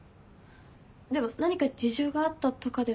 でも何か事情があったとかでは。